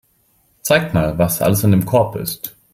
Zeig mal, was alles in dem Korb ist.